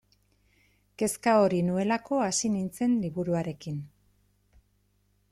Kezka hori nuelako hasi nintzen liburuarekin.